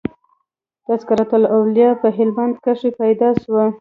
"تذکرةالاولیاء" په هلمند کښي پيدا سو.